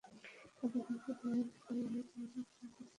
কিন্তু আগে হুমকি দেওয়ায় আমার মেয়ে ভয়ে যেতে রাজি হচ্ছিল না।